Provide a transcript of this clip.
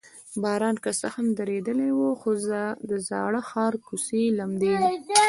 باران که څه هم درېدلی و، خو د زاړه ښار کوڅې لمدې وې.